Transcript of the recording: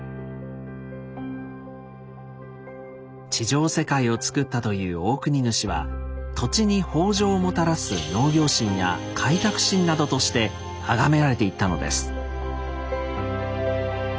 地上世界をつくったというオオクニヌシは土地に豊穣をもたらす農業神や開拓神などとしてあがめられていったのです。